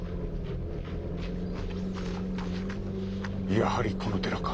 やはりこの寺か。